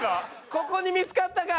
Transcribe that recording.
ここに見つかったか！